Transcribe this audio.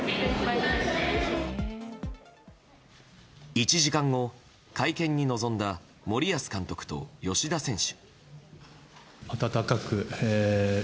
１時間後、会見に臨んだ森保監督と吉田選手。